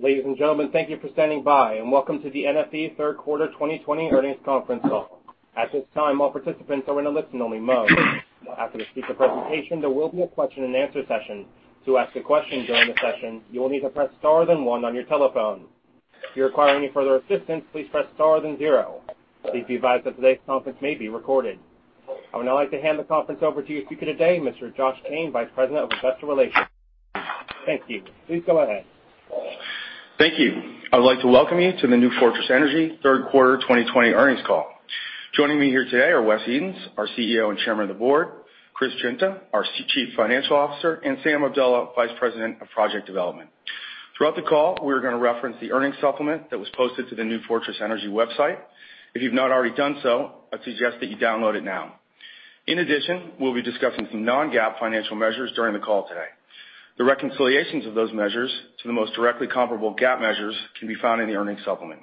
Ladies and gentlemen, thank you for standing by, and welcome to the NFE Third Quarter 2020 Earnings Conference Call. At this time, all participants are in a listen-only mode. After the speaker presentation, there will be a question-and-answer session. To ask a question during the session, you will need to press star, then one on your telephone. If you require any further assistance, please press star, then zero. Please be advised that today's conference may be recorded. I would now like to hand the conference over to your speaker today, Mr. Josh Cain, Vice President of Investor Relations. Thank you. Please go ahead. Thank you. I would like to welcome you to the New Fortress Energy Third Quarter 2020 Earnings Call. Joining me here today are Wesley Edens, our CEO and Chairman of the Board; Chris Guinta, our Chief Financial Officer; and Sam Abdallah, Vice President of Project Development. Throughout the call, we are going to reference the earnings supplement that was posted to the New Fortress Energy website. If you've not already done so, I'd suggest that you download it now. In addition, we'll be discussing some non-GAAP financial measures during the call today. The reconciliations of those measures to the most directly comparable GAAP measures can be found in the earnings supplement.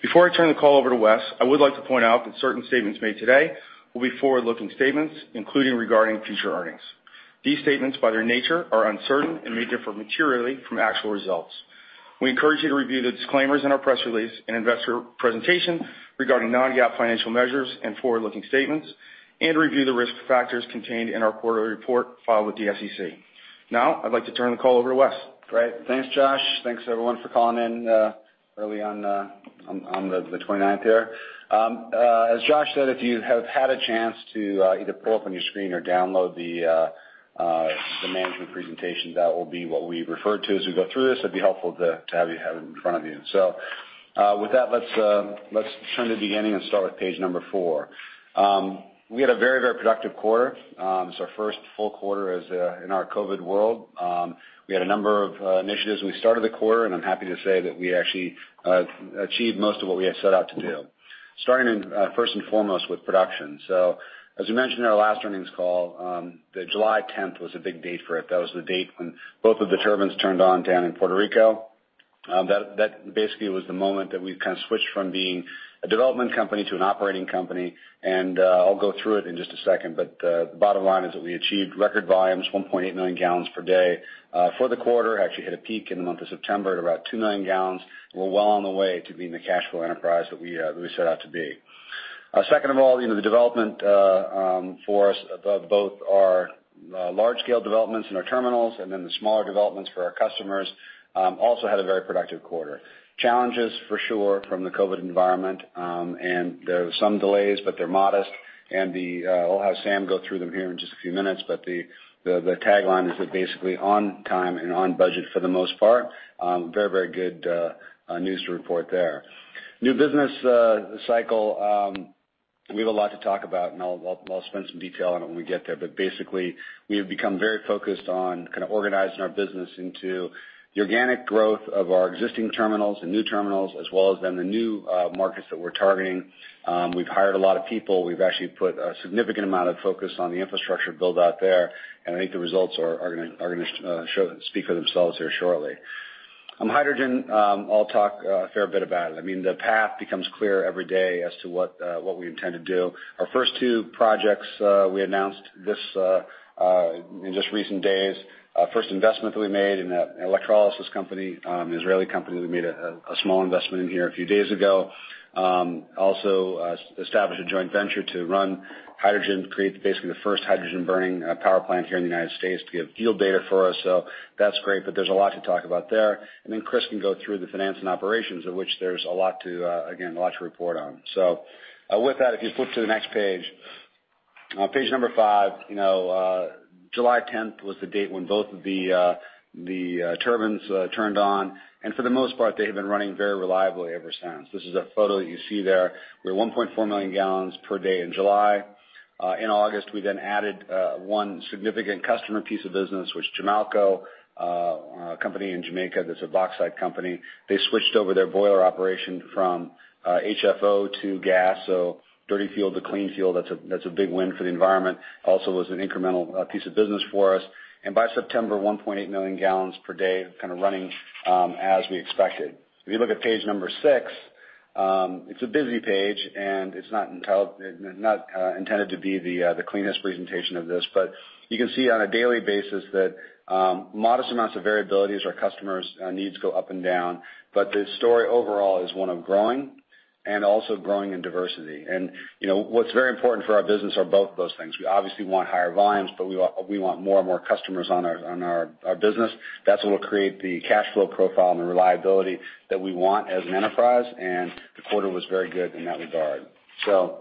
Before I turn the call over to Wes, I would like to point out that certain statements made today will be forward-looking statements, including regarding future earnings. These statements, by their nature, are uncertain and may differ materially from actual results. We encourage you to review the disclaimers in our press release and investor presentation regarding non-GAAP financial measures and forward-looking statements, and review the risk factors contained in our quarterly report filed with the SEC. Now, I'd like to turn the call over to Wes. Great. Thanks, Josh. Thanks, everyone, for calling in early on the 29th here. As Josh said, if you have had a chance to either pull up on your screen or download the management presentation, that will be what we refer to as we go through this. It'd be helpful to have it in front of you. So with that, let's turn to the beginning and start with page number four. We had a very, very productive quarter. This is our first full quarter in our COVID world. We had a number of initiatives when we started the quarter, and I'm happy to say that we actually achieved most of what we had set out to do. Starting first and foremost with production. So as we mentioned in our last earnings call, July 10th was a big date for it. That was the date when both of the turbines turned on down in Puerto Rico. That basically was the moment that we kind of switched from being a development company to an operating company. And I'll go through it in just a second. But the bottom line is that we achieved record volumes, 1.8 million gallons per day for the quarter. Actually hit a peak in the month of September at about 2 million gallons. We're well on the way to being the cash flow enterprise that we set out to be. Second of all, the development for us of both our large-scale developments and our terminals, and then the smaller developments for our customers, also had a very productive quarter. Challenges, for sure, from the COVID environment. And there were some delays, but they're modest. And we'll have Sam go through them here in just a few minutes. But the tagline is that basically on time and on budget for the most part. Very, very good news to report there. New business cycle, we have a lot to talk about, and I'll spend some detail on it when we get there. But basically, we have become very focused on kind of organizing our business into the organic growth of our existing terminals and new terminals, as well as then the new markets that we're targeting. We've hired a lot of people. We've actually put a significant amount of focus on the infrastructure build-out there. And I think the results are going to speak for themselves here shortly. Hydrogen, I'll talk a fair bit about it. I mean, the path becomes clear every day as to what we intend to do. Our first two projects we announced in just recent days: first investment that we made in an electrolysis company, an Israeli company that we made a small investment in here a few days ago. Also established a joint venture to run hydrogen, create basically the first hydrogen-burning power plant here in the United States to give fuel data for us. That's great. There's a lot to talk about there. Then Chris can go through the finance and operations, of which there's a lot to, again, a lot to report on. With that, if you flip to the next page, page number five. July 10th was the date when both of the turbines turned on. For the most part, they have been running very reliably ever since. This is a photo that you see there. We were 1.4 million gallons per day in July. In August, we then added one significant customer piece of business, which Jamalco in Jamaica, that's a bauxite company. They switched over their boiler operation from HFO to gas. So dirty fuel to clean fuel, that's a big win for the environment. Also was an incremental piece of business for us, and by September, 1.8 million gallons per day kind of running as we expected. If you look at page number six, it's a busy page, and it's not intended to be the cleanest presentation of this, but you can see on a daily basis that modest amounts of variability as our customers' needs go up and down, but the story overall is one of growing and also growing in diversity, and what's very important for our business are both of those things. We obviously want higher volumes, but we want more and more customers on our business. That's what will create the cash flow profile and the reliability that we want as an enterprise. And the quarter was very good in that regard. So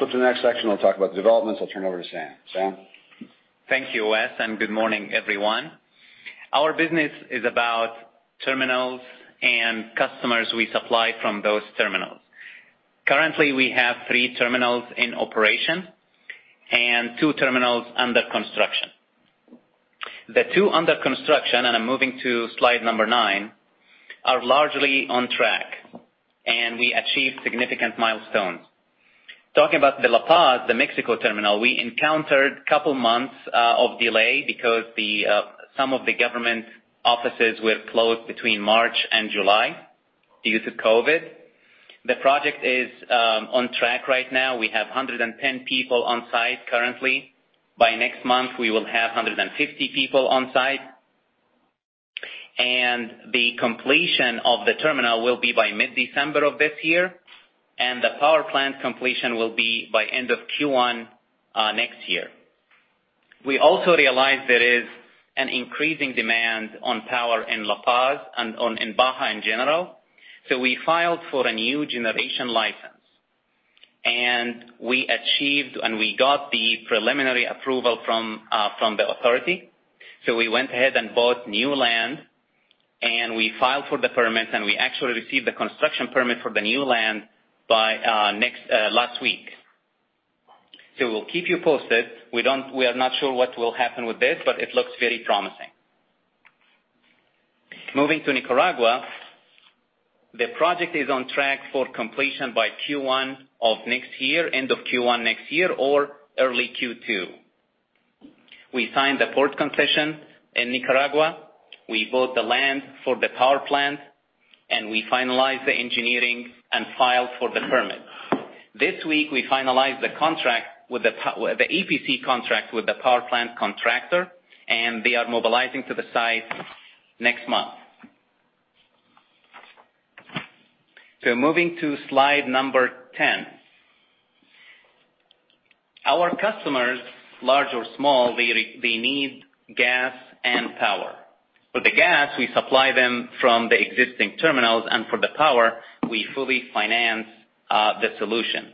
flip to the next section. We'll talk about the developments. I'll turn it over to Sam. Sam? Thank you, Wes. And good morning, everyone. Our business is about terminals and customers we supply from those terminals. Currently, we have three terminals in operation and two terminals under construction. The two under construction, and I'm moving to slide number nine, are largely on track, and we achieved significant milestones. Talking about the La Paz, the Mexico terminal, we encountered a couple of months of delay because some of the government offices were closed between March and July due to COVID. The project is on track right now. We have 110 people on site currently. By next month, we will have 150 people on site. And the completion of the terminal will be by mid-December of this year. And the power plant completion will be by end of Q1 next year. We also realized there is an increasing demand on power in La Paz and in Baja in general. We filed for a new generation license. We achieved and we got the preliminary approval from the authority. We went ahead and bought new land. We filed for the permit, and we actually received the construction permit for the new land last week. We'll keep you posted. We are not sure what will happen with this, but it looks very promising. Moving to Nicaragua, the project is on track for completion by Q1 of next year, end of Q1 next year, or early Q2. We signed the port concession in Nicaragua. We bought the land for the power plant, and we finalized the engineering and filed for the permit. This week, we finalized the EPC contract with the power plant contractor, and they are mobilizing to the site next month. Moving to slide number 10. Our customers, large or small, they need gas and power. For the gas, we supply them from the existing terminals, and for the power, we fully finance the solution.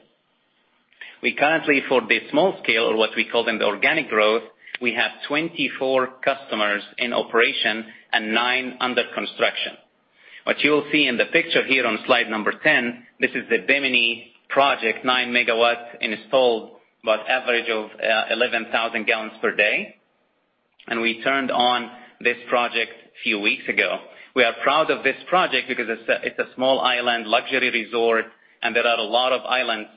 We currently, for the small scale, or what we call them the organic growth, we have 24 customers in operation and nine under construction. What you will see in the picture here on slide number 10, this is the Bimini project, nine megawatts installed, about average of 11,000 gallons per day, and we turned on this project a few weeks ago. We are proud of this project because it's a small island luxury resort, and there are a lot of islands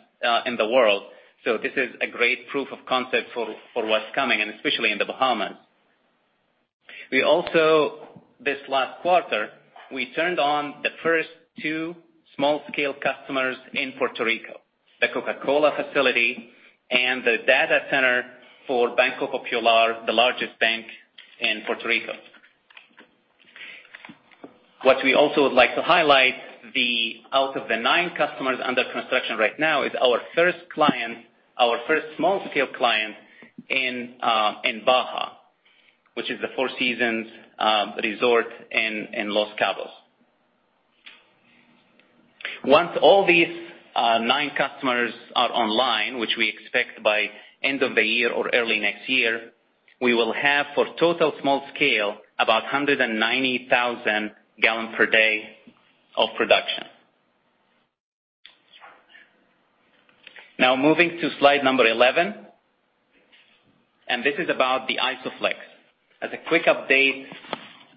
in the world, so this is a great proof of concept for what's coming, and especially in the Bahamas. We also, this last quarter, we turned on the first two small-scale customers in Puerto Rico, the Coca-Cola facility and the data center for Banco Popular, the largest bank in Puerto Rico. What we also would like to highlight, out of the nine customers under construction right now, is our first client, our first small-scale client in Baja, which is the Four Seasons Resort in Los Cabos. Once all these nine customers are online, which we expect by end of the year or early next year, we will have for total small scale about 190,000 gallons per day of production. Now, moving to slide number 11. And this is about the ISOFLEX. As a quick update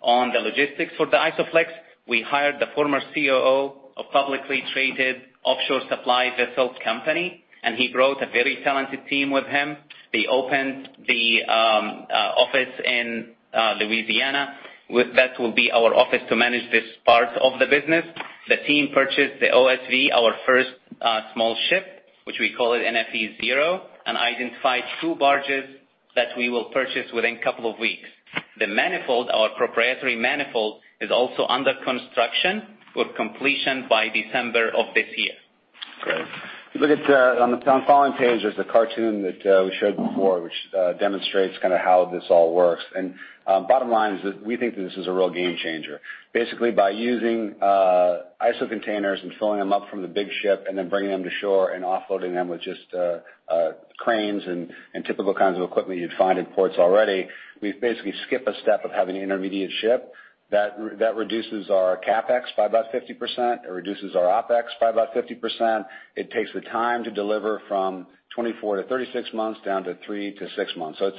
on the logistics for the ISOFLEX, we hired the former COO of publicly traded offshore supply vessel company. And he brought a very talented team with him. They opened the office in Louisiana. That will be our office to manage this part of the business. The team purchased the OSV, our first small ship, which we call it NFE Zero, and identified two barges that we will purchase within a couple of weeks. The manifold, our proprietary manifold, is also under construction for completion by December of this year. Great. On the following page, there's a cartoon that we showed before, which demonstrates kind of how this all works. And bottom line is that we think that this is a real game changer. Basically, by using ISO containers and filling them up from the big ship and then bringing them to shore and offloading them with just cranes and typical kinds of equipment you'd find in ports already, we've basically skipped a step of having an intermediate ship. That reduces our CapEx by about 50%. It reduces our OpEx by about 50%. It takes the time to deliver from 24 to 36 months down to three to six months. So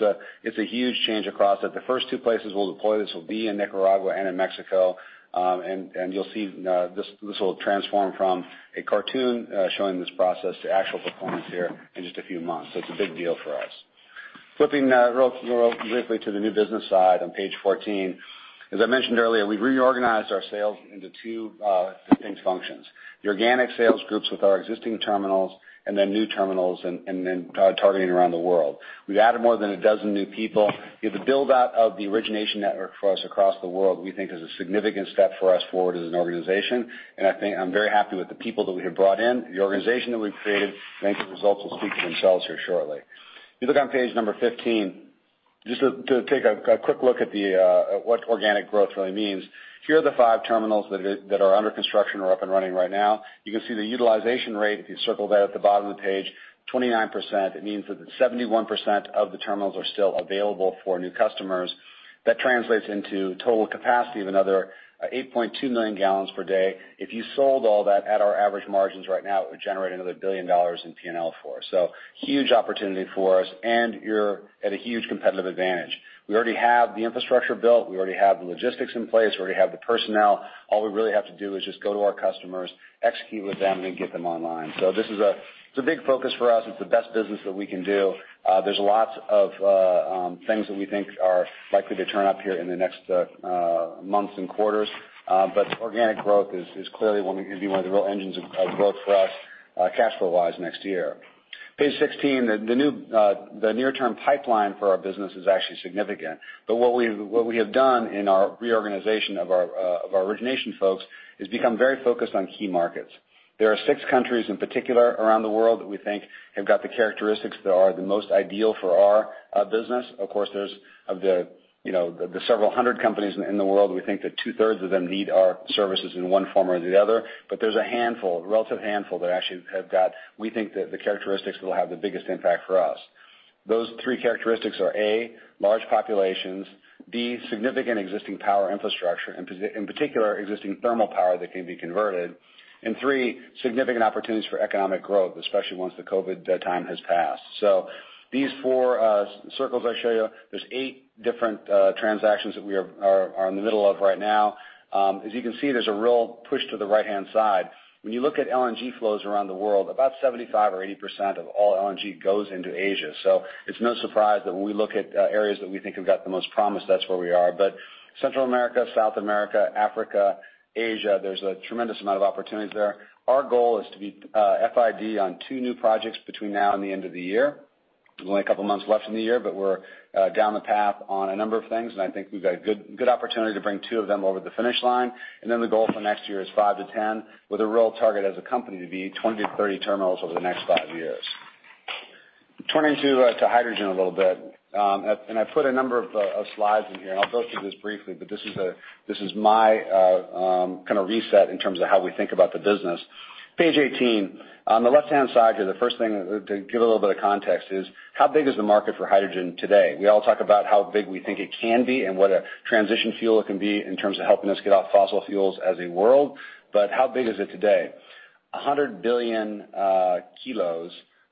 it's a huge change across that. The first two places we'll deploy this will be in Nicaragua and in Mexico. And you'll see this will transform from a cartoon showing this process to actual performance here in just a few months. So it's a big deal for us. Flipping real quickly to the new business side on page 14. As I mentioned earlier, we reorganized our sales into two distinct functions: the organic sales groups with our existing terminals and then new terminals and then targeting around the world. We've added more than a dozen new people. The build-out of the origination network for us across the world, we think, is a significant step for us forward as an organization. And I'm very happy with the people that we have brought in. The organization that we've created, I think the results will speak for themselves here shortly. If you look on page number 15, just to take a quick look at what organic growth really means, here are the five terminals that are under construction or up and running right now. You can see the utilization rate, if you circle that at the bottom of the page, 29%. It means that 71% of the terminals are still available for new customers. That translates into total capacity of another 8.2 million gallons per day. If you sold all that at our average margins right now, it would generate another $1 billion in P&L for us. So huge opportunity for us. And you're at a huge competitive advantage. We already have the infrastructure built. We already have the logistics in place. We already have the personnel. All we really have to do is just go to our customers, execute with them, and get them online. This is a big focus for us. It's the best business that we can do. There's lots of things that we think are likely to turn up here in the next months and quarters. But organic growth is clearly going to be one of the real engines of growth for us, cash flow-wise, next year. Page 16, the near-term pipeline for our business is actually significant. But what we have done in our reorganization of our origination folks is become very focused on key markets. There are six countries in particular around the world that we think have got the characteristics that are the most ideal for our business. Of course, there's the several hundred companies in the world. We think that two-thirds of them need our services in one form or the other. But there's a handful, a relative handful that actually have got, we think, the characteristics that will have the biggest impact for us. Those three characteristics are, A, large populations, B, significant existing power infrastructure, in particular, existing thermal power that can be converted, and three, significant opportunities for economic growth, especially once the COVID time has passed. So these four circles I show you, there's eight different transactions that we are in the middle of right now. As you can see, there's a real push to the right-hand side. When you look at LNG flows around the world, about 75%-80% of all LNG goes into Asia. So it's no surprise that when we look at areas that we think have got the most promise, that's where we are. But Central America, South America, Africa, Asia, there's a tremendous amount of opportunities there. Our goal is to be FID on two new projects between now and the end of the year. There's only a couple of months left in the year, but we're down the path on a number of things. And I think we've got a good opportunity to bring two of them over the finish line. And then the goal for next year is 5 to 10, with a real target as a company to be 20 to 30 terminals over the next five years. Turning to hydrogen a little bit. And I put a number of slides in here. And I'll go through this briefly. But this is my kind of reset in terms of how we think about the business. Page 18. On the left-hand side here, the first thing to give a little bit of context is how big is the market for hydrogen today? We all talk about how big we think it can be and what a transition fuel it can be in terms of helping us get off fossil fuels as a world. But how big is it today? 100 billion kilos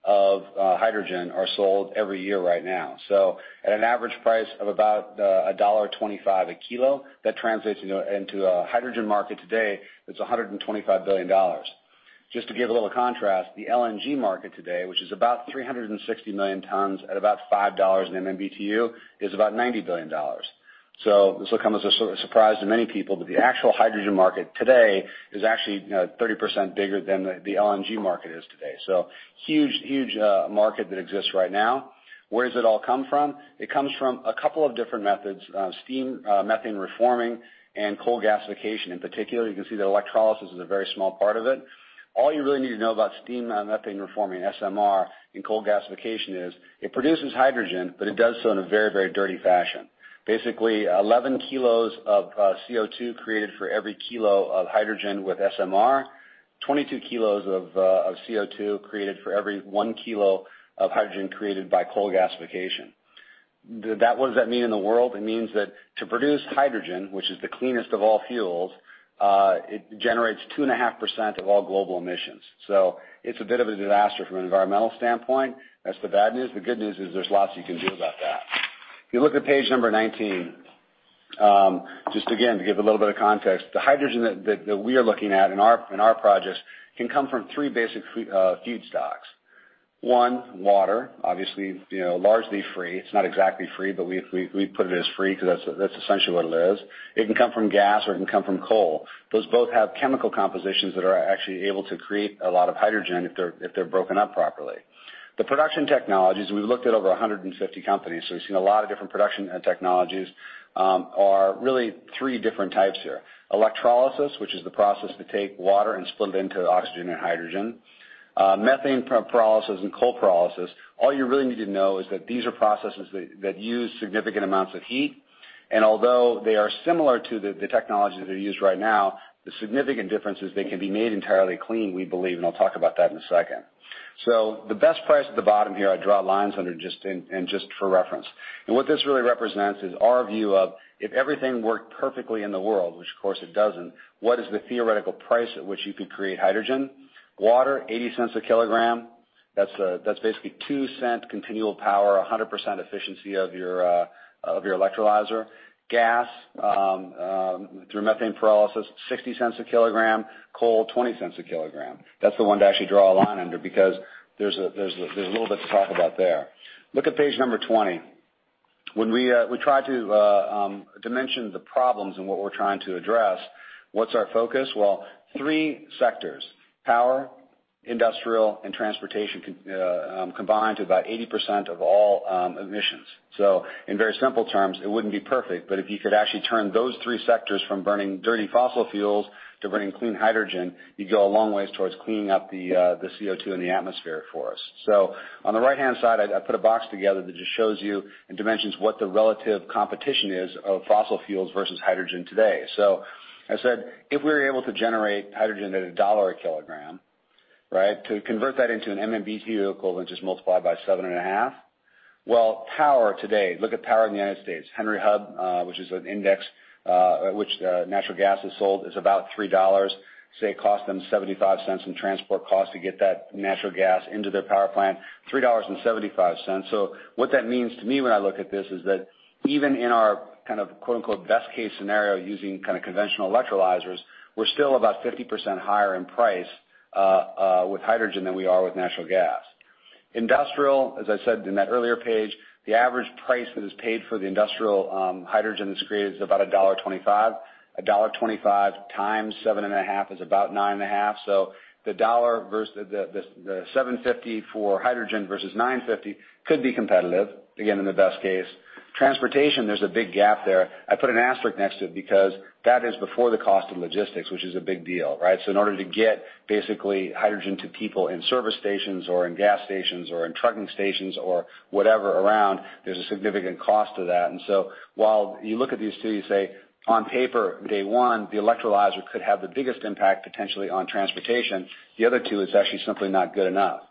of hydrogen are sold every year right now. So at an average price of about $1.25 a kilo, that translates into a hydrogen market today that's $125 billion. Just to give a little contrast, the LNG market today, which is about 360 million tons at about $5 in MMBtu, is about $90 billion. So this will come as a surprise to many people. But the actual hydrogen market today is actually 30% bigger than the LNG market is today. So huge market that exists right now. Where does it all come from? It comes from a couple of different methods: steam methane reforming and coal gasification. In particular, you can see that electrolysis is a very small part of it. All you really need to know about steam methane reforming, SMR, and coal gasification is it produces hydrogen, but it does so in a very, very dirty fashion. Basically, 11 kilos of CO2 created for every kilo of hydrogen with SMR, 22 kilos of CO2 created for every 1 kilo of hydrogen created by coal gasification. What does that mean in the world? It means that to produce hydrogen, which is the cleanest of all fuels, it generates 2.5% of all global emissions. So it's a bit of a disaster from an environmental standpoint. That's the bad news. The good news is there's lots you can do about that. If you look at page number 19, just again, to give a little bit of context, the hydrogen that we are looking at in our projects can come from three basic feedstocks. One, water, obviously, largely free. It's not exactly free, but we put it as free because that's essentially what it is. It can come from gas or it can come from coal. Those both have chemical compositions that are actually able to create a lot of hydrogen if they're broken up properly. The production technologies, we've looked at over 150 companies. So we've seen a lot of different production technologies. There are really three different types here: electrolysis, which is the process to take water and split it into oxygen and hydrogen, methane pyrolysis, and coal pyrolysis. All you really need to know is that these are processes that use significant amounts of heat. Although they are similar to the technology that they're used right now, the significant difference is they can be made entirely clean, we believe. I'll talk about that in a second. The best price at the bottom here, I draw lines under just for reference. What this really represents is our view of if everything worked perfectly in the world, which of course it doesn't, what is the theoretical price at which you could create hydrogen. Water, $0.80 a kilogram. That's basically $0.02 continual power, 100% efficiency of your electrolyzer. Gas through methane pyrolysis, $0.60 a kilogram. Coal, $0.20 a kilogram. That's the one to actually draw a line under because there's a little bit to talk about there. Look at page 20. When we try to dimension the problems and what we're trying to address, what's our focus? Three sectors: power, industrial, and transportation combined to about 80% of all emissions. So in very simple terms, it wouldn't be perfect. But if you could actually turn those three sectors from burning dirty fossil fuels to burning clean hydrogen, you'd go a long way towards cleaning up the CO2 in the atmosphere for us. So on the right-hand side, I put a box together that just shows you and dimensions what the relative competition is of fossil fuels versus hydrogen today. So I said, if we were able to generate hydrogen at $1 a kilogram, right, to convert that into an MMBtu equivalent, just multiply by 7.5, well, power today, look at power in the United States. Henry Hub, which is an index which natural gas is sold, is about $3. Say, it costs them $0.75 in transport cost to get that natural gas into their power plant, $3.75. So what that means to me when I look at this is that even in our kind of "best case scenario" using kind of conventional electrolyzers, we're still about 50% higher in price with hydrogen than we are with natural gas. Industrial, as I said in that earlier page, the average price that is paid for the industrial hydrogen that's created is about $1.25. $1.25 times 7.5 is about $9.50. So the dollar versus the $7.50 for hydrogen versus $9.50 could be competitive, again, in the best case. Transportation, there's a big gap there. I put an asterisk next to it because that is before the cost of logistics, which is a big deal, right? So in order to get basically hydrogen to people in service stations or in gas stations or in trucking stations or whatever around, there's a significant cost to that. And so while you look at these two, you say, on paper, day one, the electrolyzer could have the biggest impact potentially on transportation. The other two is actually simply not good enough.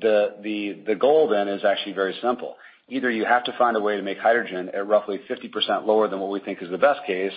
The goal then is actually very simple. Either you have to find a way to make hydrogen at roughly 50% lower than what we think is the best case,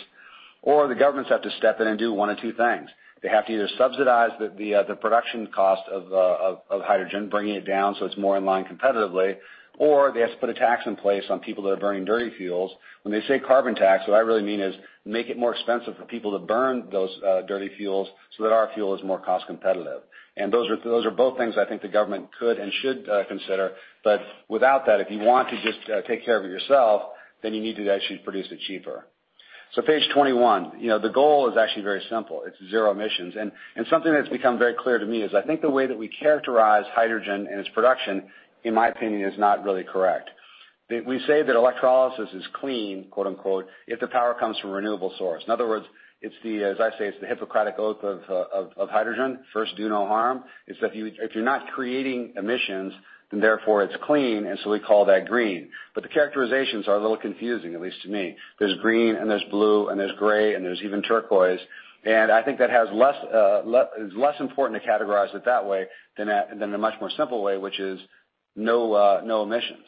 or the governments have to step in and do one of two things. They have to either subsidize the production cost of hydrogen, bringing it down so it's more in line competitively, or they have to put a tax in place on people that are burning dirty fuels. When they say carbon tax, what I really mean is make it more expensive for people to burn those dirty fuels so that our fuel is more cost competitive. And those are both things I think the government could and should consider. But without that, if you want to just take care of it yourself, then you need to actually produce it cheaper. So page 21, the goal is actually very simple. It's zero emissions. And something that's become very clear to me is I think the way that we characterize hydrogen and its production, in my opinion, is not really correct. We say that electrolysis is clean if the power comes from a renewable source. In other words, as I say, it's the Hippocratic Oath of hydrogen, first, do no harm. It's that if you're not creating emissions, then therefore it's clean. And so we call that green. But the characterizations are a little confusing, at least to me. There's green and there's blue and there's gray and there's even turquoise. And I think that is less important to categorize it that way than a much more simple way, which is no emissions.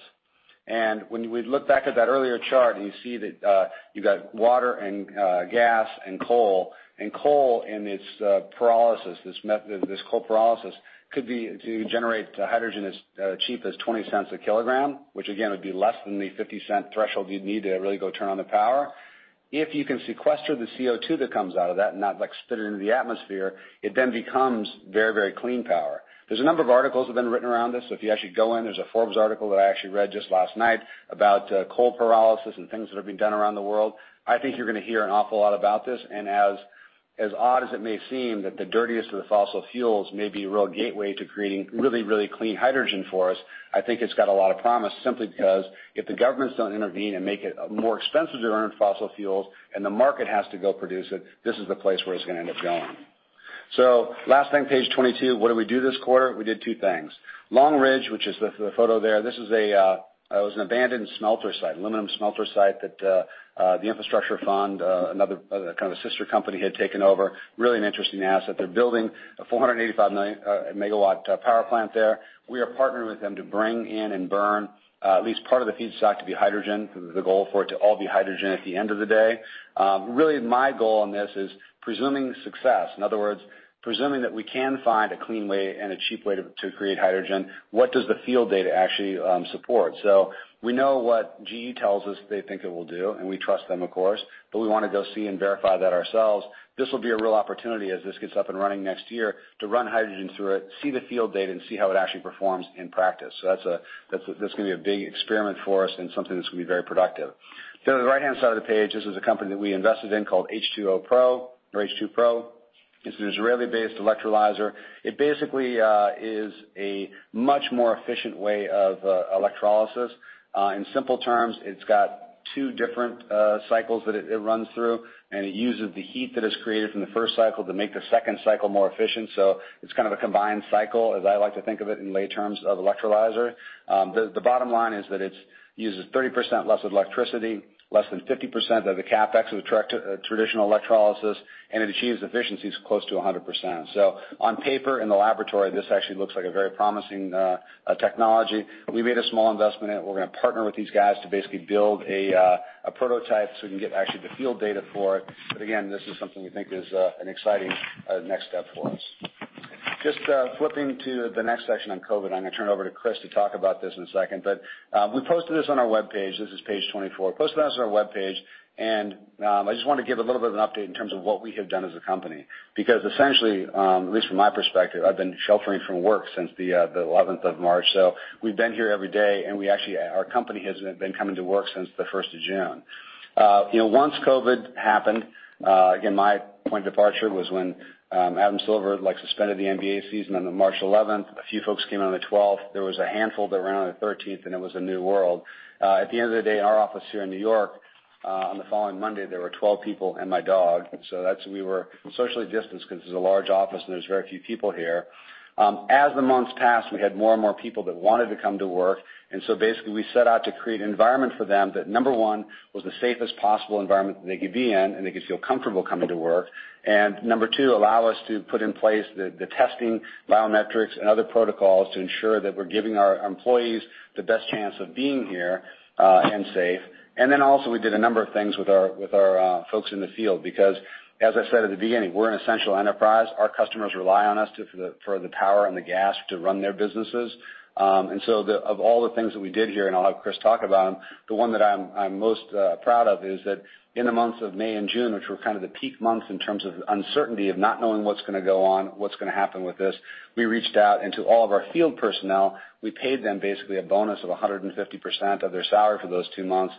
And when we look back at that earlier chart, you see that you've got water and gas and coal. And coal in this pyrolysis, this coal pyrolysis, could be to generate hydrogen as cheap as $0.20 a kilogram, which again would be less than the $0.50 threshold you'd need to really go turn on the power. If you can sequester the CO2 that comes out of that and not spit it into the atmosphere, it then becomes very, very clean power. There's a number of articles that have been written around this. So if you actually go in, there's a Forbes article that I actually read just last night about coal pyrolysis and things that have been done around the world. I think you're going to hear an awful lot about this. And as odd as it may seem that the dirtiest of the fossil fuels may be a real gateway to creating really, really clean hydrogen for us, I think it's got a lot of promise simply because if the governments don't intervene and make it more expensive to burn fossil fuels and the market has to go produce it, this is the place where it's going to end up going. So last thing, page 22, what did we do this quarter? We did two things. Long Ridge, which is the photo there, this was an abandoned smelter site, aluminum smelter site that the Infrastructure Fund, another kind of a sister company, had taken over. Really an interesting asset. They're building a 485 megawatt power plant there. We are partnering with them to bring in and burn at least part of the feedstock to be hydrogen. The goal for it to all be hydrogen at the end of the day. Really, my goal on this is presuming success. In other words, presuming that we can find a clean way and a cheap way to create hydrogen. What does the field data actually support? So we know what GE tells us they think it will do, and we trust them, of course. But we want to go see and verify that ourselves. This will be a real opportunity as this gets up and running next year to run hydrogen through it, see the field data, and see how it actually performs in practice. So that's going to be a big experiment for us and something that's going to be very productive. Then on the right-hand side of the page, this is a company that we invested in called H2Pro. It's an Israeli-based electrolyzer. It basically is a much more efficient way of electrolysis. In simple terms, it's got two different cycles that it runs through, and it uses the heat that is created from the first cycle to make the second cycle more efficient. So it's kind of a combined cycle, as I like to think of it in lay terms, of electrolyzer. The bottom line is that it uses 30% less of electricity, less than 50% of the CapEx of traditional electrolysis, and it achieves efficiencies close to 100%. So on paper, in the laboratory, this actually looks like a very promising technology. We made a small investment in it. We're going to partner with these guys to basically build a prototype so we can get actually the field data for it. But again, this is something we think is an exciting next step for us. Just flipping to the next section on COVID, I'm going to turn it over to Chris to talk about this in a second. But we posted this on our web page. This is page 24. Posted this on our web page. And I just want to give a little bit of an update in terms of what we have done as a company. Because essentially, at least from my perspective, I've been sheltering from work since the 11th of March. So we've been here every day, and our company has been coming to work since the 1st of June. Once COVID happened, again, my point of departure was when Adam Silver suspended the NBA season on March 11th. A few folks came on the 12th. There was a handful that were on the 13th, and it was a new world. At the end of the day, in our office here in New York, on the following Monday, there were 12 people and my dog. So we were socially distanced because it's a large office and there's very few people here. As the months passed, we had more and more people that wanted to come to work. And so basically, we set out to create an environment for them that, number one, was the safest possible environment that they could be in and they could feel comfortable coming to work. And number two, allow us to put in place the testing, biometrics, and other protocols to ensure that we're giving our employees the best chance of being here and safe. And then also, we did a number of things with our folks in the field. Because as I said at the beginning, we're an essential enterprise. Our customers rely on us for the power and the gas to run their businesses. And so of all the things that we did here, and I'll have Chris talk about them, the one that I'm most proud of is that in the months of May and June, which were kind of the peak months in terms of uncertainty of not knowing what's going to go on, what's going to happen with this, we reached out to all of our field personnel. We paid them basically a bonus of 150% of their salary for those two months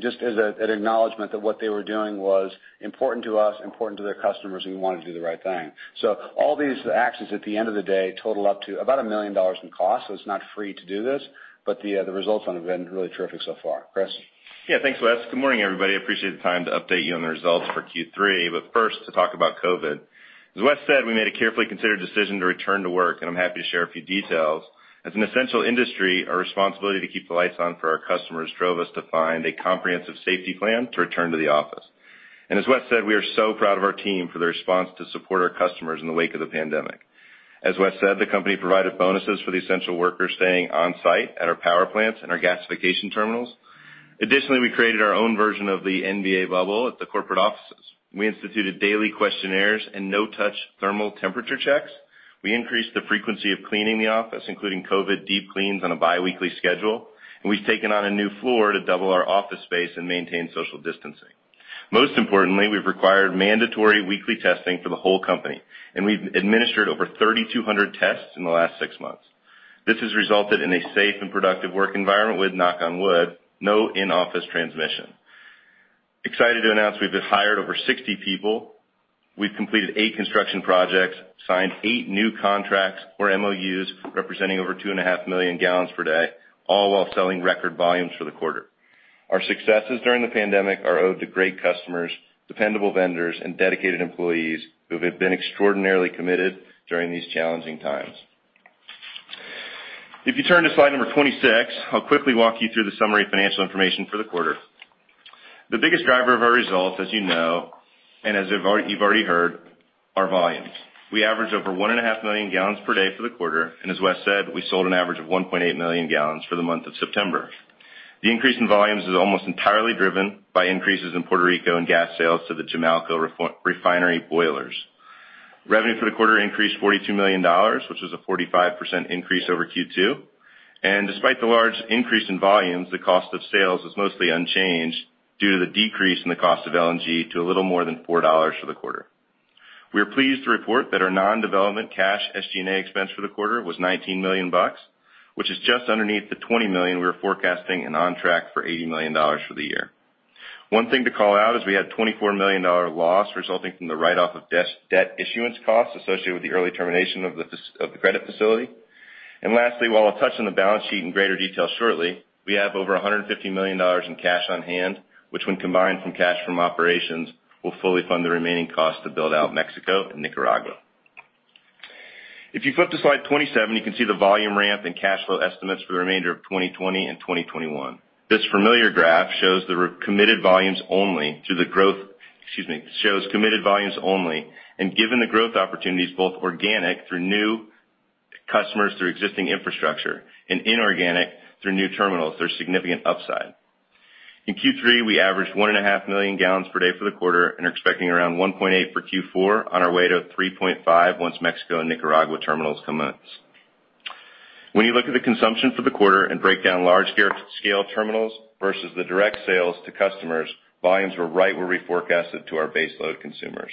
just as an acknowledgment that what they were doing was important to us, important to their customers, and we wanted to do the right thing. So all these actions at the end of the day total up to about $1 million in cost. So it's not free to do this, but the results have been really terrific so far. Chris? Yeah, thanks, Wes. Good morning, everybody. I appreciate the time to update you on the results for Q3. But first, to talk about COVID. As Wes said, we made a carefully considered decision to return to work, and I'm happy to share a few details. As an essential industry, our responsibility to keep the lights on for our customers drove us to find a comprehensive safety plan to return to the office. And as Wes said, we are so proud of our team for their response to support our customers in the wake of the pandemic. As Wes said, the company provided bonuses for the essential workers staying on site at our power plants and our gasification terminals. Additionally, we created our own version of the NBA bubble at the corporate offices. We instituted daily questionnaires and no-touch thermal temperature checks. We increased the frequency of cleaning the office, including COVID deep cleans on a biweekly schedule, and we've taken on a new floor to double our office space and maintain social distancing. Most importantly, we've required mandatory weekly testing for the whole company. And we've administered over 3,200 tests in the last six months. This has resulted in a safe and productive work environment with, knock on wood, no in-office transmission. Excited to announce we've hired over 60 people. We've completed eight construction projects, signed eight new contracts or MOUs representing over 2.5 million gallons per day, all while selling record volumes for the quarter. Our successes during the pandemic are owed to great customers, dependable vendors, and dedicated employees who have been extraordinarily committed during these challenging times. If you turn to slide number 26, I'll quickly walk you through the summary financial information for the quarter. The biggest driver of our results, as you know, and as you've already heard, are volumes. We average over 1.5 million gallons per day for the quarter. As Wes said, we sold an average of 1.8 million gallons for the month of September. The increase in volumes is almost entirely driven by increases in Puerto Rico and gas sales to the Jamaica refinery boilers. Revenue for the quarter increased $42 million, which was a 45% increase over Q2. Despite the large increase in volumes, the cost of sales was mostly unchanged due to the decrease in the cost of LNG to a little more than $4 for the quarter. We are pleased to report that our non-development cash SG&A expense for the quarter was $19 million, which is just underneath the $20 million we were forecasting and on track for $80 million for the year. One thing to call out is we had a $24 million loss resulting from the write-off of debt issuance costs associated with the early termination of the credit facility. And lastly, while I'll touch on the balance sheet in greater detail shortly, we have over $150 million in cash on hand, which when combined from cash from operations will fully fund the remaining costs to build out Mexico and Nicaragua. If you flip to slide 27, you can see the volume ramp and cash flow estimates for the remainder of 2020 and 2021. This familiar graph shows the committed volumes only, excuse me, shows committed volumes only. And given the growth opportunities, both organic through new customers, through existing infrastructure and inorganic through new terminals, there's significant upside. In Q3, we averaged 1.5 million gallons per day for the quarter and are expecting around 1.8 for Q4 on our way to 3.5 once Mexico and Nicaragua terminals commence. When you look at the consumption for the quarter and break down large-scale terminals versus the direct sales to customers, volumes were right where we forecasted to our base load consumers.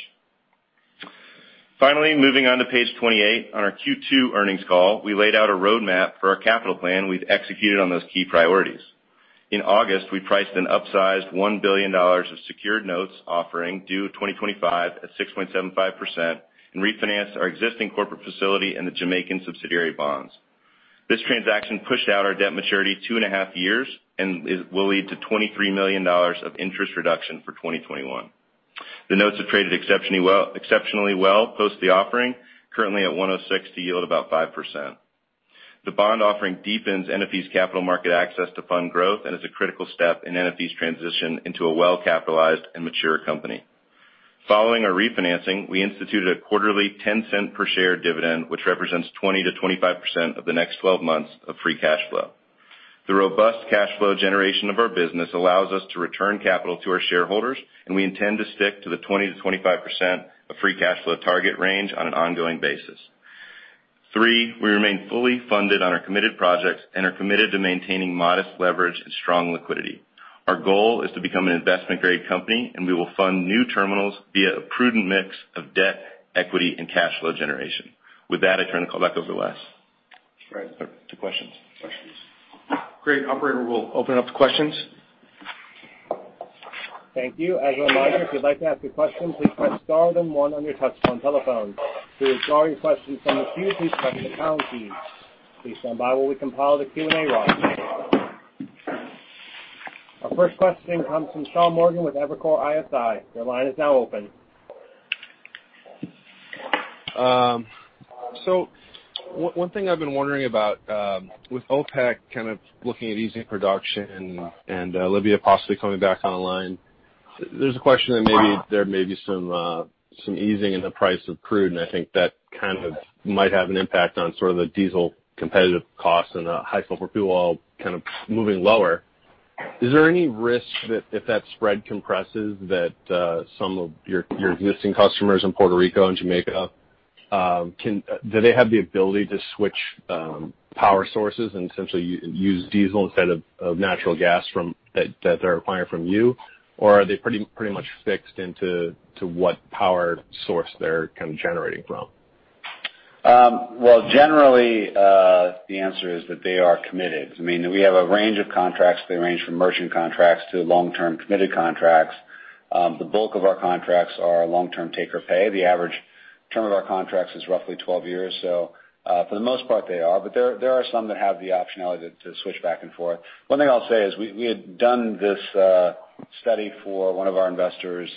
Finally, moving on to page 28, on our Q2 earnings call, we laid out a roadmap for our capital plan we've executed on those key priorities. In August, we priced an upsized $1 billion of secured notes offering due 2025 at 6.75% and refinanced our existing corporate facility and the Jamaican subsidiary bonds. This transaction pushed out our debt maturity two and a half years and will lead to $23 million of interest reduction for 2021. The notes have traded exceptionally well post the offering, currently at 106 to yield about 5%. The bond offering deepens NFE's capital market access to fund growth and is a critical step in NFE's transition into a well-capitalized and mature company. Following our refinancing, we instituted a quarterly $0.10 per share dividend, which represents 20%-25% of the next 12 months of free cash flow. The robust cash flow generation of our business allows us to return capital to our shareholders, and we intend to stick to the 20%-25% of free cash flow target range on an ongoing basis. Three, we remain fully funded on our committed projects and are committed to maintaining modest leverage and strong liquidity. Our goal is to become an investment-grade company, and we will fund new terminals via a prudent mix of debt, equity, and cash flow generation. With that, I turn the call back over to Wes. All right. Two questions. Great. Operator will open it up to questions. Thank you. As a reminder, if you'd like to ask a question, please press star then one on your touchtone telephone. We'll draw your questions from the Q2 segment account team. Please stand by while we compile the Q&A. Our first question comes from Sean Morgan with Evercore ISI. Your line is now open. So one thing I've been wondering about with OPEC kind of looking at easing production and Libya possibly coming back online, there's a question that maybe there may be some easing in the price of crude, and I think that kind of might have an impact on sort of the diesel competitive costs and the high fuel kind of moving lower. Is there any risk that if that spread compresses that some of your existing customers in Puerto Rico and Jamaica, do they have the ability to switch power sources and essentially use diesel instead of natural gas that they're acquiring from you? Or are they pretty much fixed into what power source they're kind of generating from? Well, generally, the answer is that they are committed. I mean, we have a range of contracts. They range from merchant contracts to long-term committed contracts. The bulk of our contracts are long-term take or pay. The average term of our contracts is roughly 12 years. So for the most part, they are. But there are some that have the optionality to switch back and forth. One thing I'll say is we had done this study for one of our investors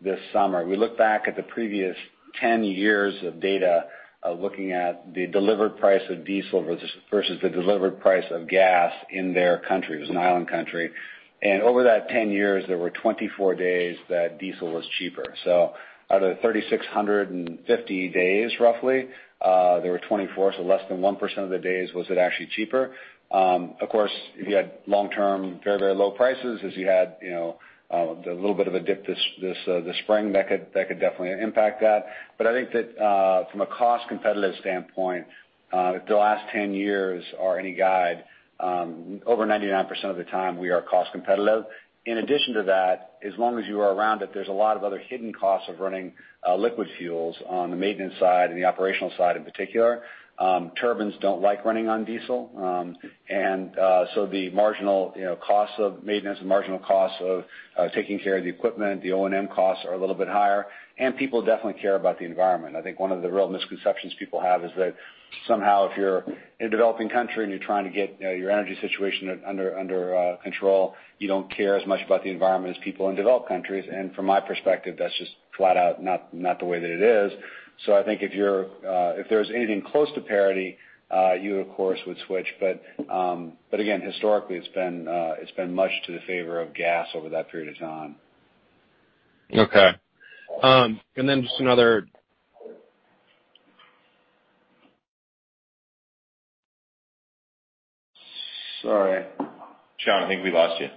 this summer. We looked back at the previous 10 years of data looking at the delivered price of diesel versus the delivered price of gas in their country. It was an island country. And over that 10 years, there were 24 days that diesel was cheaper. So out of the 3,650 days, roughly, there were 24. So less than 1% of the days was it actually cheaper. Of course, if you had long-term very, very low prices, as you had a little bit of a dip this spring, that could definitely impact that. But I think that from a cost competitive standpoint, the last 10 years are any guide. Over 99% of the time, we are cost competitive. In addition to that, as long as you are around it, there's a lot of other hidden costs of running liquid fuels on the maintenance side and the operational side in particular. Turbines don't like running on diesel. And so the marginal costs of maintenance and marginal costs of taking care of the equipment, the O&M costs are a little bit higher. And people definitely care about the environment. I think one of the real misconceptions people have is that somehow if you're in a developing country and you're trying to get your energy situation under control, you don't care as much about the environment as people in developed countries. And from my perspective, that's just flat out not the way that it is. So I think if there's anything close to parity, you, of course, would switch. But again, historically, it's been much to the favor of gas over that period of time. Okay. And then just another sorry. Shawn, I think we lost you.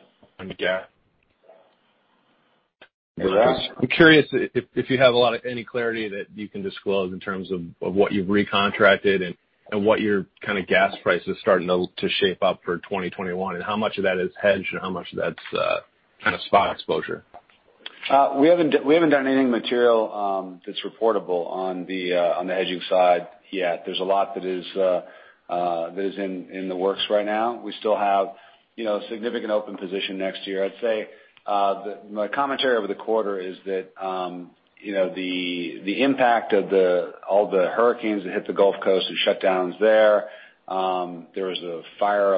I'm curious if you have any clarity that you can disclose in terms of what you've recontracted and what your kind of gas price is starting to shape up for 2021 and how much of that is hedged and how much of that's kind of spot exposure? We haven't done anything material that's reportable on the hedging side yet. There's a lot that is in the works right now. We still have a significant open position next year. I'd say my commentary over the quarter is that the impact of all the hurricanes that hit the Gulf Coast and shutdowns there, there was a fire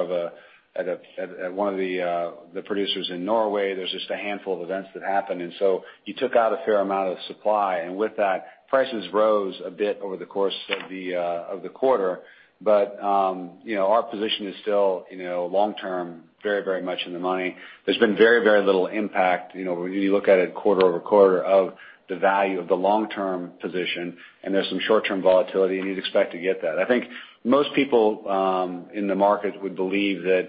at one of the producers in Norway. There's just a handful of events that happened. And so you took out a fair amount of supply. And with that, prices rose a bit over the course of the quarter. But our position is still long-term very, very much in the money. There's been very, very little impact when you look at it quarter over quarter of the value of the long-term position. And there's some short-term volatility, and you'd expect to get that. I think most people in the market would believe that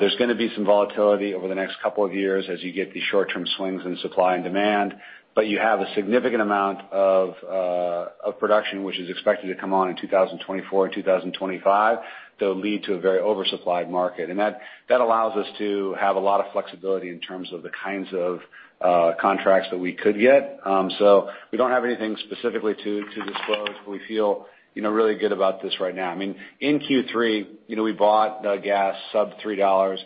there's going to be some volatility over the next couple of years as you get these short-term swings in supply and demand. But you have a significant amount of production which is expected to come on in 2024 and 2025 that will lead to a very oversupplied market. And that allows us to have a lot of flexibility in terms of the kinds of contracts that we could get. So we don't have anything specifically to disclose, but we feel really good about this right now. I mean, in Q3, we bought the gas sub $3.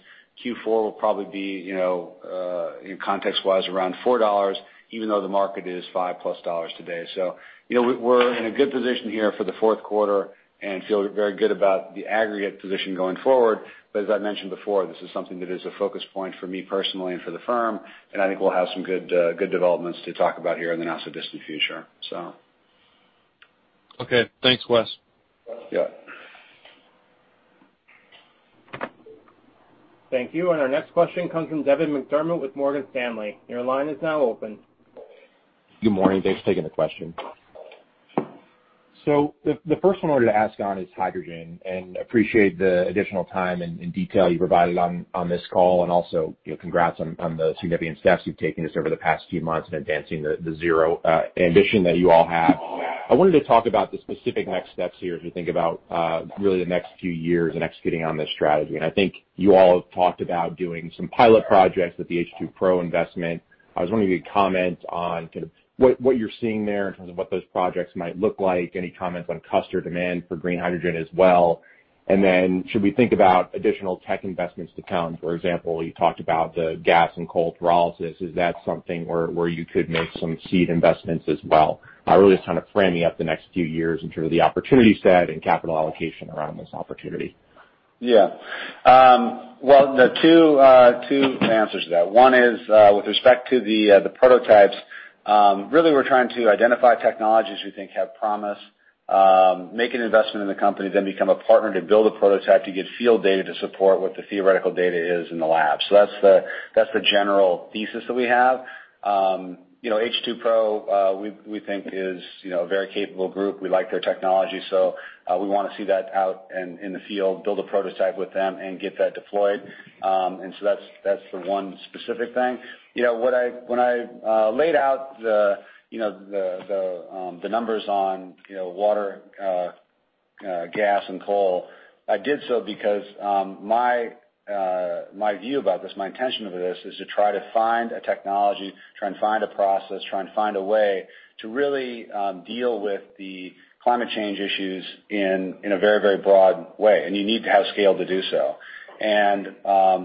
Q4 will probably be, context-wise, around $4, even though the market is 5+ dollars today. So we're in a good position here for the fourth quarter and feel very good about the aggregate position going forward. But as I mentioned before, this is something that is a focus point for me personally and for the firm. And I think we'll have some good developments to talk about here in the not-so-distant future, so. Okay. Thanks, Wes. Yeah. Thank you. And our next question comes from Devin McDermott with Morgan Stanley. Your line is now open. Good morning. Thanks for taking the question. So the first one I wanted to ask on is hydrogen and appreciate the additional time and detail you provided on this call and also congrats on the significant steps you've taken just over the past few months in advancing the zero ambition that you all have. I wanted to talk about the specific next steps here as we think about really the next few years and executing on this strategy. And I think you all have talked about doing some pilot projects with the H2Pro investment. I was wondering if you could comment on kind of what you're seeing there in terms of what those projects might look like, any comments on customer demand for green hydrogen as well. And then should we think about additional tech investments to come? For example, you talked about the gas and coal pyrolysis. Is that something where you could make some seed investments as well? Really just kind of framing up the next few years in terms of the opportunity set and capital allocation around this opportunity. Yeah. Well, the two answers to that. One is with respect to the prototypes. Really we're trying to identify technologies we think have promise, make an investment in the company, then become a partner to build a prototype to get field data to support what the theoretical data is in the lab. So that's the general thesis that we have. H2Pro, we think, is a very capable group. We like their technology. So we want to see that out in the field, build a prototype with them, and get that deployed. And so that's the one specific thing. When I laid out the numbers on water, gas, and coal, I did so because my view about this, my intention of this is to try to find a technology, try and find a process, try and find a way to really deal with the climate change issues in a very, very broad way. And you need to have scale to do so. And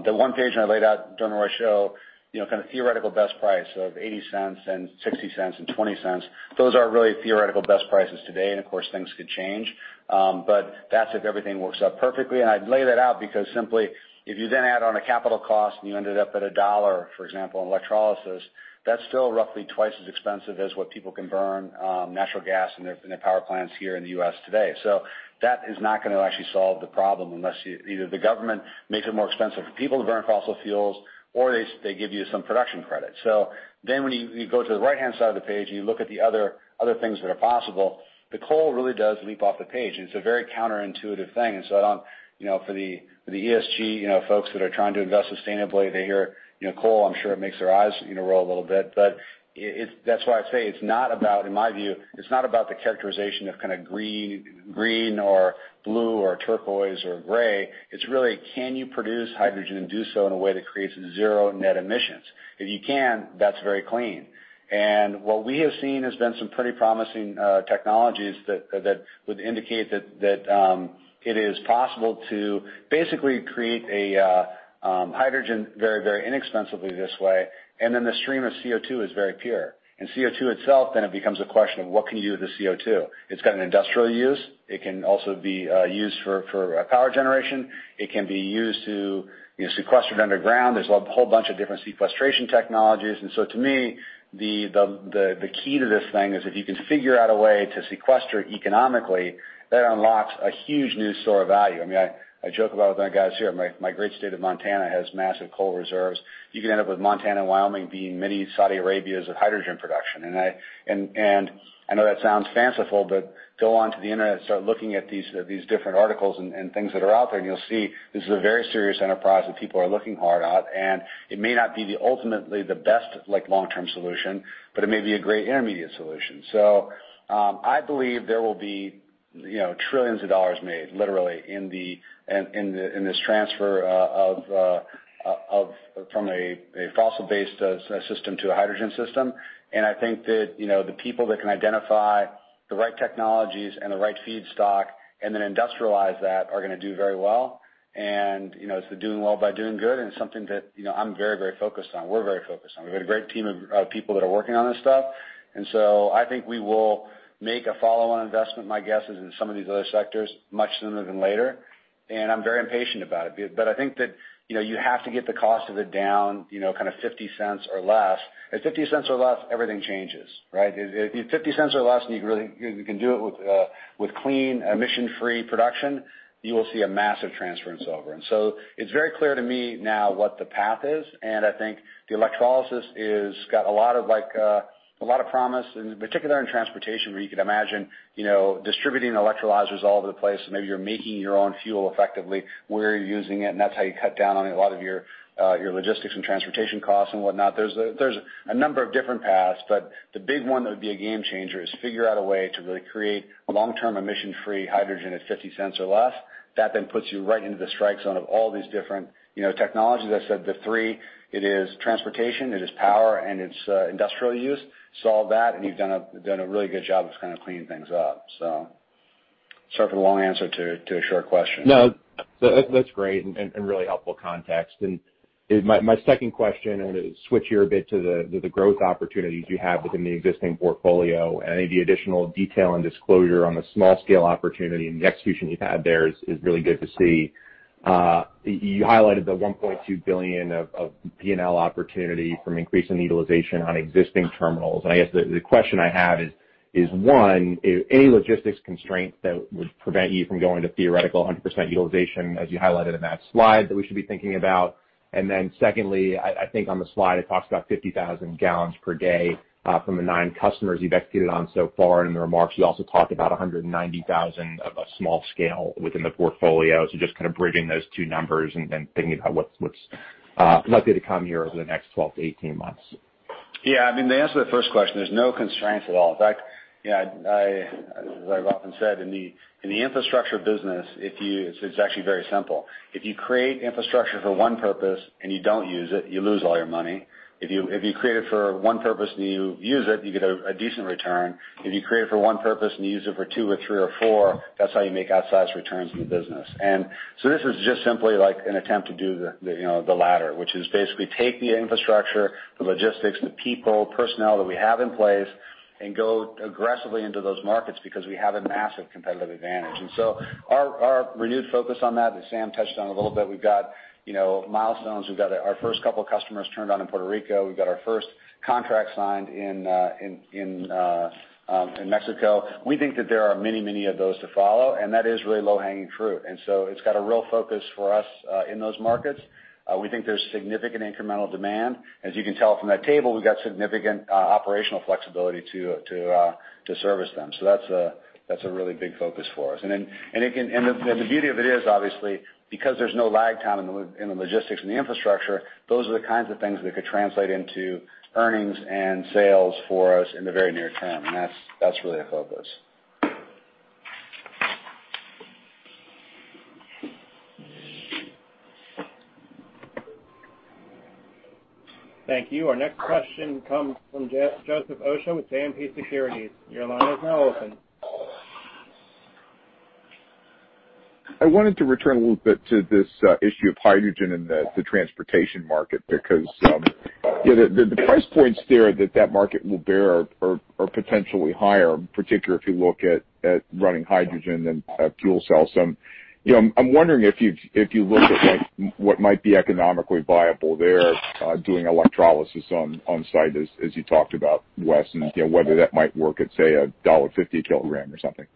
the one page I laid out during our show, kind of theoretical best price of $0.80 and $0.60 and $0.20, those are really theoretical best prices today. And of course, things could change. But that's if everything works out perfectly. And I'd lay that out because simply, if you then add on a capital cost and you ended up at $1, for example, on electrolysis, that's still roughly twice as expensive as what people can burn natural gas in their power plants here in the U.S. today. So that is not going to actually solve the problem unless either the government makes it more expensive for people to burn fossil fuels or they give you some production credit. So then when you go to the right-hand side of the page and you look at the other things that are possible, the coal really does leap off the page. And it's a very counterintuitive thing. And so for the ESG folks that are trying to invest sustainably, they hear coal, I'm sure it makes their eyes roll a little bit. But that's why I say it's not about, in my view, it's not about the characterization of kind of green or blue or turquoise or gray. It's really, can you produce hydrogen and do so in a way that creates zero net emissions? If you can, that's very clean. And what we have seen has been some pretty promising technologies that would indicate that it is possible to basically create hydrogen very, very inexpensively this way. And then the stream of CO2 is very pure. And CO2 itself, then it becomes a question of what can you do with the CO2? It's got an industrial use. It can also be used for power generation. It can be used to sequester it underground. There's a whole bunch of different sequestration technologies. And so to me, the key to this thing is if you can figure out a way to sequester it economically, that unlocks a huge new store of value. I mean, I joke about with my guys here. My great state of Montana has massive coal reserves. You can end up with Montana and Wyoming being many Saudi Arabias of hydrogen production. And I know that sounds fanciful, but go onto the internet and start looking at these different articles and things that are out there, and you'll see this is a very serious enterprise that people are looking hard at. It may not be ultimately the best long-term solution, but it may be a great intermediate solution. So I believe there will be trillions of dollars made, literally, in this transfer from a fossil-based system to a hydrogen system. And I think that the people that can identify the right technologies and the right feedstock and then industrialize that are going to do very well. And it's the doing well by doing good, and it's something that I'm very, very focused on. We're very focused on. We have a great team of people that are working on this stuff. And so I think we will make a follow-on investment, my guess, in some of these other sectors much sooner than later. And I'm very impatient about it. But I think that you have to get the cost of it down kind of $0.50 or less. At $0.50 or less, everything changes, right? At $0.50 or less, and you can do it with clean, emission-free production, you will see a massive transition over, and so it's very clear to me now what the path is, and I think the electrolysis has got a lot of promise, in particular in transportation, where you could imagine distributing electrolyzers all over the place. Maybe you're making your own fuel effectively where you're using it, and that's how you cut down on a lot of your logistics and transportation costs and whatnot. There's a number of different paths, but the big one that would be a game changer is figure out a way to really create long-term emission-free hydrogen at $0.50 or less. That then puts you right into the strike zone of all these different technologies. I said the three. It is transportation. It is power, and it's industrial use. Solve that, and you've done a really good job of kind of cleaning things up. So sorry for the long answer to a short question. No, that's great and really helpful context. And my second question, I want to switch here a bit to the growth opportunities you have within the existing portfolio. And I think the additional detail and disclosure on the small-scale opportunity and the execution you've had there is really good to see. You highlighted the $1.2 billion of P&L opportunity from increasing utilization on existing terminals. And I guess the question I have is, one, any logistics constraints that would prevent you from going to theoretical 100% utilization, as you highlighted in that slide, that we should be thinking about? And then secondly, I think on the slide, it talks about 50,000 gallons per day from the nine customers you've executed on so far. And in the remarks, you also talked about 190,000 of a small scale within the portfolio. So just kind of bridging those two numbers and then thinking about what's likely to come here over the next 12-18 months. Yeah. I mean, to answer the first question, there's no constraints at all. In fact, as I've often said, in the infrastructure business, it's actually very simple. If you create infrastructure for one purpose and you don't use it, you lose all your money. If you create it for one purpose and you use it, you get a decent return. If you create it for one purpose and you use it for two or three or four, that's how you make outsized returns in the business. This is just simply an attempt to do the latter, which is basically take the infrastructure, the logistics, the people, personnel that we have in place, and go aggressively into those markets because we have a massive competitive advantage. Our renewed focus on that, as Sam touched on a little bit, we've got milestones. We've got our first couple of customers turned on in Puerto Rico. We've got our first contract signed in Mexico. We think that there are many, many of those to follow, and that is really low-hanging fruit. It's got a real focus for us in those markets. We think there's significant incremental demand. As you can tell from that table, we've got significant operational flexibility to service them. That's a really big focus for us. The beauty of it is, obviously, because there's no lag time in the logistics and the infrastructure, those are the kinds of things that could translate into earnings and sales for us in the very near term. And that's really a focus. Thank you. Our next question comes from Joseph Osha with JMP Securities. Your line is now open. I wanted to return a little bit to this issue of hydrogen and the transportation market because, yeah, the price points there that that market will bear are potentially higher, particularly if you look at running hydrogen and fuel cells. I'm wondering if you look at what might be economically viable there doing electrolysis on-site, as you talked about, Wes, and whether that might work at, say, $1.50 a kilogram or something.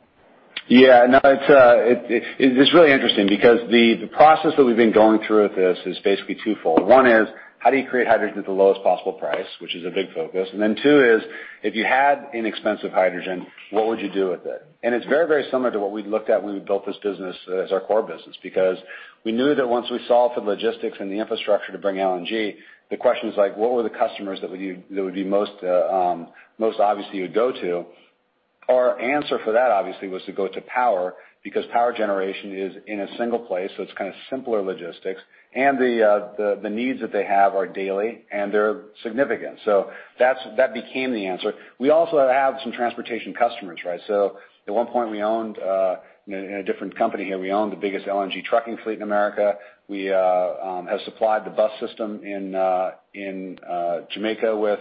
Yeah. No, it's really interesting because the process that we've been going through with this is basically twofold. One is, how do you create hydrogen at the lowest possible price, which is a big focus? And then two is, if you had inexpensive hydrogen, what would you do with it? And it's very, very similar to what we'd looked at when we built this business as our core business because we knew that once we solved for the logistics and the infrastructure to bring LNG, the question is like, what were the customers that would be most obviously you would go to? Our answer for that, obviously, was to go to power because power generation is in a single place, so it's kind of simpler logistics. And the needs that they have are daily, and they're significant. So that became the answer. We also have some transportation customers, right? So at one point, we owned in a different company here, we owned the biggest LNG trucking fleet in America. We have supplied the bus system in Jamaica with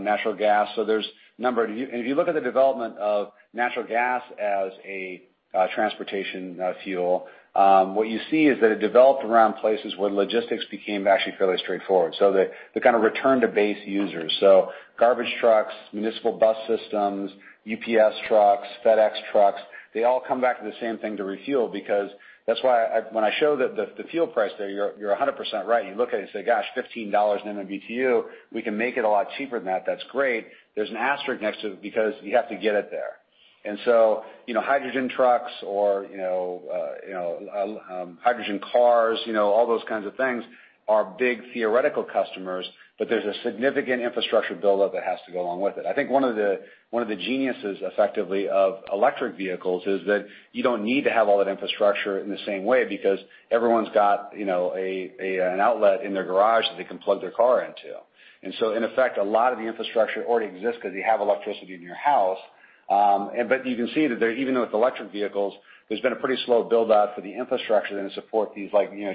natural gas. So there's a number of—and if you look at the development of natural gas as a transportation fuel, what you see is that it developed around places where logistics became actually fairly straightforward. So the kind of return-to-base users. So garbage trucks, municipal bus systems, UPS trucks, FedEx trucks, they all come back to the same thing to refuel because that's why when I show the fuel price there, you're 100% right. You look at it and say, "Gosh, $15 an MMBtu. We can make it a lot cheaper than that. That's great." There's an asterisk next to it because you have to get it there. And so hydrogen trucks or hydrogen cars, all those kinds of things are big theoretical customers, but there's a significant infrastructure build-up that has to go along with it. I think one of the geniuses, effectively, of electric vehicles is that you don't need to have all that infrastructure in the same way because everyone's got an outlet in their garage that they can plug their car into. And so, in effect, a lot of the infrastructure already exists because you have electricity in your house. But you can see that even with electric vehicles, there's been a pretty slow build-up for the infrastructure that supports these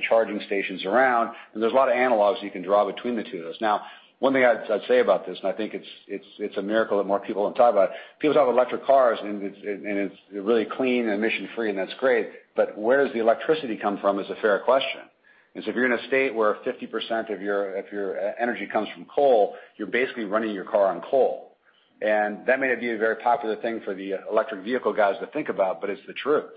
charging stations around. And there's a lot of analogs you can draw between the two of those. Now, one thing I'd say about this, and I think it's a miracle that more people don't talk about it. People talk about electric cars, and it's really clean and emission-free, and that's great. But where does the electricity come from is a fair question. And so if you're in a state where 50% of your energy comes from coal, you're basically running your car on coal. And that may not be a very popular thing for the electric vehicle guys to think about, but it's the truth.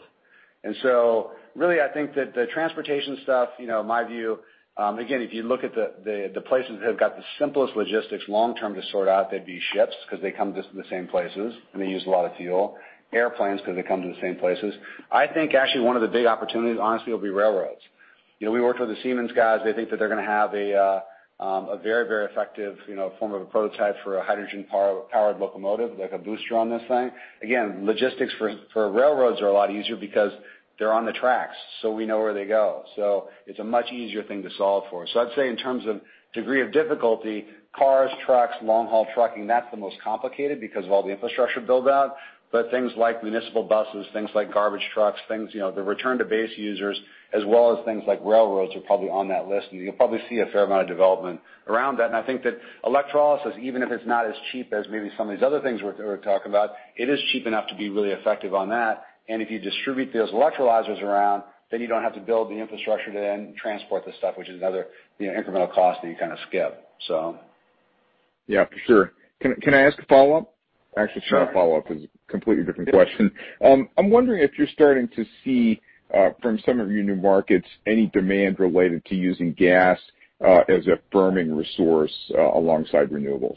And so really, I think that the transportation stuff, my view, again, if you look at the places that have got the simplest logistics long-term to sort out, they'd be ships because they come to the same places and they use a lot of fuel. Airplanes because they come to the same places. I think actually one of the big opportunities, honestly, will be railroads. We worked with the Siemens guys. They think that they're going to have a very, very effective form of a prototype for a hydrogen-powered locomotive, like a booster on this thing. Again, logistics for railroads are a lot easier because they're on the tracks, so we know where they go. So it's a much easier thing to solve for. So I'd say in terms of degree of difficulty, cars, trucks, long-haul trucking, that's the most complicated because of all the infrastructure build-up. But things like municipal buses, things like garbage trucks, things, the return-to-base users, as well as things like railroads are probably on that list. And you'll probably see a fair amount of development around that. And I think that electrolysis, even if it's not as cheap as maybe some of these other things we're talking about, it is cheap enough to be really effective on that. And if you distribute those electrolyzers around, then you don't have to build the infrastructure to then transport the stuff, which is another incremental cost that you kind of skip, so. Yeah, for sure. Can I ask a follow-up? Actually, sorry, a follow-up is a completely different question. I'm wondering if you're starting to see from some of your new markets any demand related to using gas as a firming resource alongside renewables.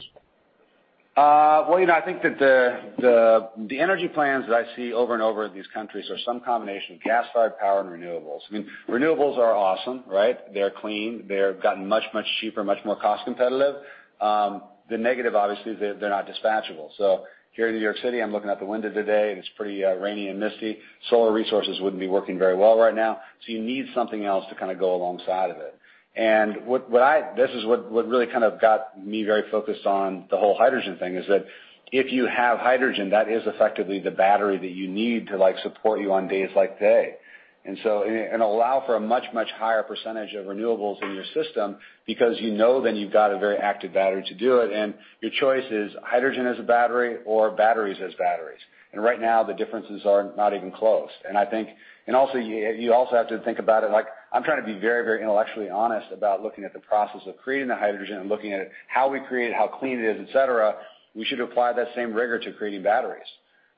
Well, I think that the energy plans that I see over and over in these countries are some combination of gas-fired power and renewables. I mean, renewables are awesome, right? They're clean. They've gotten much, much cheaper, much more cost-competitive. The negative, obviously, is they're not dispatchable. So here in New York City, I'm looking out the window today, and it's pretty rainy and misty. Solar resources wouldn't be working very well right now. So you need something else to kind of go alongside of it. And this is what really kind of got me very focused on the whole hydrogen thing is that if you have hydrogen, that is effectively the battery that you need to support you on days like today. And allow for a much, much higher percentage of renewables in your system because you know then you've got a very active battery to do it. And your choice is hydrogen as a battery or batteries as batteries. And right now, the differences are not even close. And also, you also have to think about it. I'm trying to be very, very intellectually honest about looking at the process of creating the hydrogen and looking at how we create it, how clean it is, etc. We should apply that same rigor to creating batteries,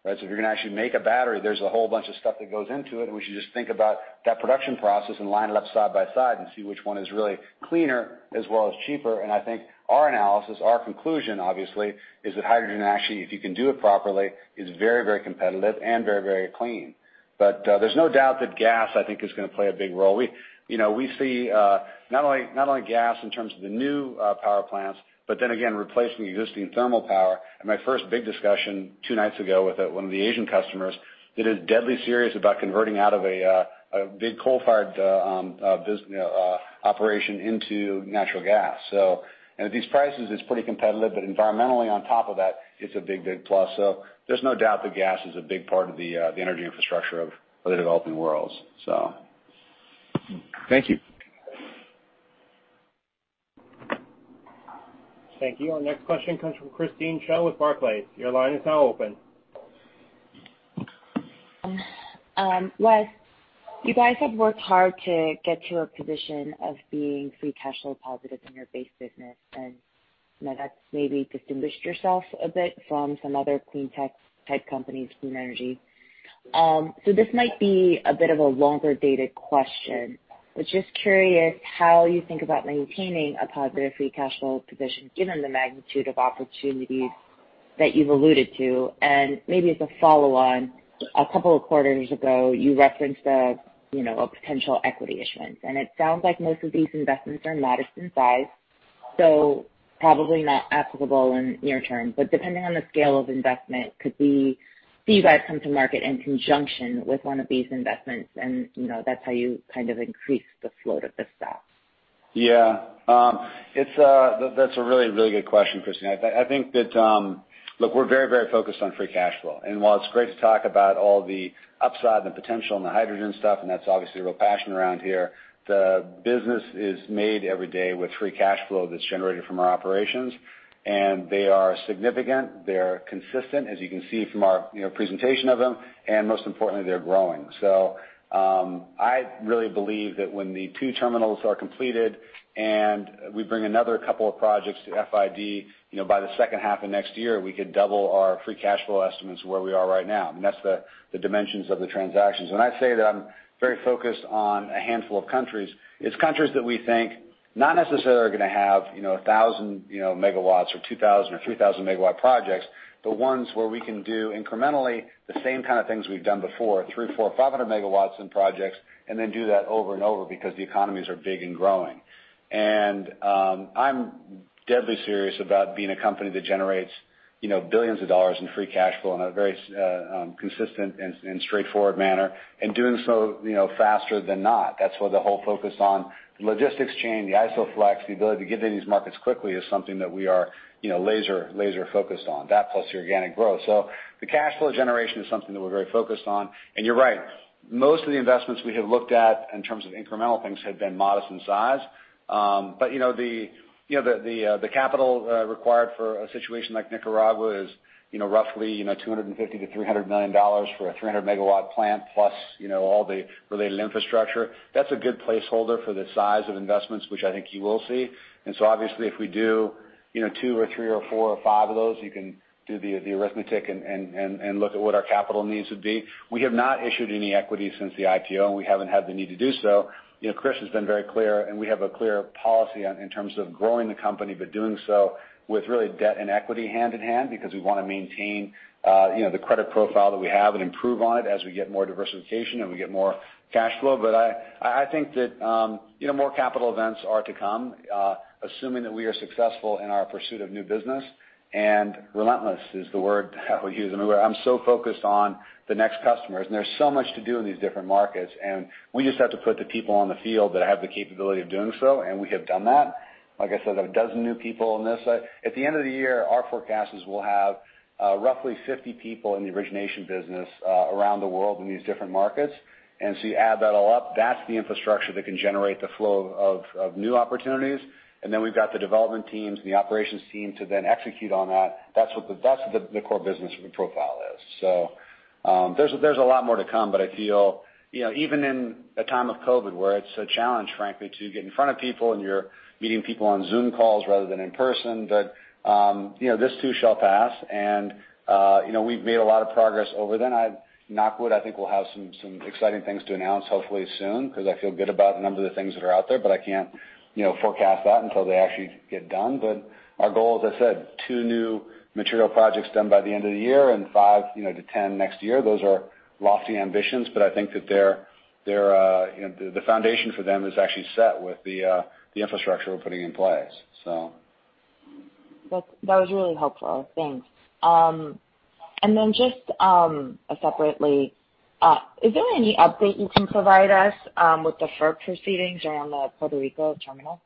right? If you're going to actually make a battery, there's a whole bunch of stuff that goes into it. We should just think about that production process and line it up side by side and see which one is really cleaner as well as cheaper. I think our analysis, our conclusion, obviously, is that hydrogen, actually, if you can do it properly, is very, very competitive and very, very clean. There's no doubt that gas, I think, is going to play a big role. We see not only gas in terms of the new power plants, but then, again, replacing existing thermal power. My first big discussion two nights ago with one of the Asian customers that is deadly serious about converting out of a big coal-fired operation into natural gas. At these prices, it's pretty competitive. But environmentally, on top of that, it's a big, big plus. So there's no doubt that gas is a big part of the energy infrastructure of the developing world, so. Thank you. Thank you. Our next question comes from Christine Cho with Barclays. Your line is now open. Wes, you guys have worked hard to get to a position of being free cash flow positive in your base business. And that's maybe distinguished yourself a bit from some other clean tech-type companies, clean energy. So this might be a bit of a longer-dated question. But just curious how you think about maintaining a positive free cash flow position given the magnitude of opportunities that you've alluded to. And maybe as a follow-on, a couple of quarters ago, you referenced a potential equity issuance. And it sounds like most of these investments are modest in size, so probably not applicable in near term. But depending on the scale of investment, could you guys come to market in conjunction with one of these investments? And that's how you kind of increase the float of this stock. Yeah. That's a really, really good question, Christine. I think that, look, we're very, very focused on free cash flow. And while it's great to talk about all the upside and the potential and the hydrogen stuff, and that's obviously a real passion around here, the business is made every day with free cash flow that's generated from our operations. And they are significant. They're consistent, as you can see from our presentation of them. And most importantly, they're growing. I really believe that when the two terminals are completed and we bring another couple of projects to FID by the second half of next year, we could double our free cash flow estimates where we are right now. That's the dimensions of the transactions. When I say that I'm very focused on a handful of countries, it's countries that we think not necessarily are going to have 1,000 megawatts or 2,000 or 3,000-megawatt projects, but ones where we can do incrementally the same kind of things we've done before, three, four, 500 megawatts in projects, and then do that over and over because the economies are big and growing. I'm deadly serious about being a company that generates billions of dollars in free cash flow in a very consistent and straightforward manner and doing so faster than not. That's why the whole focus on the logistics chain, the ISOFLEX, the ability to get into these markets quickly is something that we are laser-focused on, that plus the organic growth, so the cash flow generation is something that we're very focused on, and you're right. Most of the investments we have looked at in terms of incremental things have been modest in size, but the capital required for a situation like Nicaragua is roughly $250-$300 million for a 300 MW plant plus all the related infrastructure. That's a good placeholder for the size of investments, which I think you will see, and so, obviously, if we do two or three or four or five of those, you can do the arithmetic and look at what our capital needs would be. We have not issued any equity since the IPO, and we haven't had the need to do so. Chris has been very clear, and we have a clear policy in terms of growing the company, but doing so with really debt and equity hand in hand because we want to maintain the credit profile that we have and improve on it as we get more diversification and we get more cash flow. But I think that more capital events are to come, assuming that we are successful in our pursuit of new business. And relentless is the word I would use. I mean, I'm so focused on the next customers. And there's so much to do in these different markets. And we just have to put the people on the field that have the capability of doing so. And we have done that. Like I said, a dozen new people on this side. At the end of the year, our forecast is we'll have roughly 50 people in the origination business around the world in these different markets, and so you add that all up, that's the infrastructure that can generate the flow of new opportunities, and then we've got the development teams and the operations team to then execute on that. That's what the core business profile is, so there's a lot more to come, but I feel even in a time of COVID where it's a challenge, frankly, to get in front of people and you're meeting people on Zoom calls rather than in person, that this too shall pass, and we've made a lot of progress over then. Knock wood, I think, will have some exciting things to announce hopefully soon because I feel good about a number of the things that are out there. But I can't forecast that until they actually get done. But our goal, as I said, two new material projects done by the end of the year and 5-10 next year. Those are lofty ambitions. But I think that the foundation for them is actually set with the infrastructure we're putting in place, so. That was really helpful. Thanks. And then just separately, is there any update you can provide us with the FERC proceedings around the Puerto Rico terminal?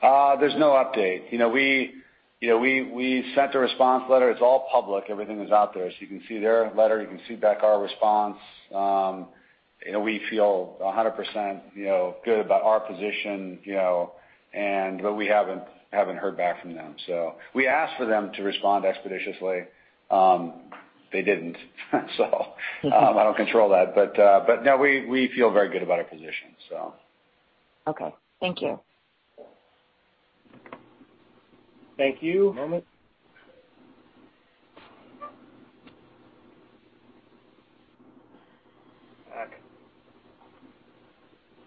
There's no update. We sent a response letter. It's all public. Everything is out there. So you can see their letter. You can see back our response. We feel 100% good about our position. But we haven't heard back from them. So we asked for them to respond expeditiously. They didn't, so. I don't control that. But no, we feel very good about our position, so. Okay. Thank you. Thank you.